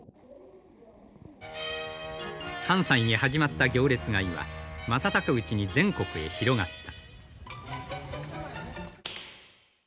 「関西に始まった行列買いは瞬くうちに全国へ広がった」。